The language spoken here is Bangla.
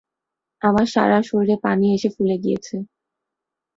আমার সারা শরীরে পানি এসে ফুলে গিয়েছে।